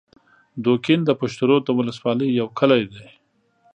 دوکین د پشترود د ولسوالۍ یو کلی دی